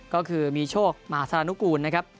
ก็คือมีโชคมหาสารนุกูลนะครับ